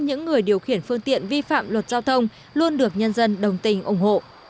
những người điều khiển phương tiện vi phạm luật giao thông luôn được nhân dân đồng tình ủng hộ